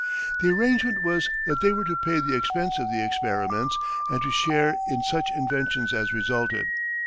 The arrangement was that they were to pay the expense of the experiments and to share in such inventions as resulted.